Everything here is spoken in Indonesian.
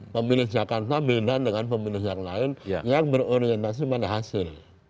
pemilih jakarta beda dengan pemilih yang lain yang berorientasi pada hasil